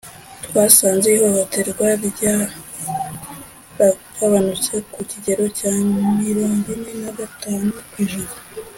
Twasanze ihohoterwa ryaragabanutse ku kigero cya mirongwine nagatanu kwijana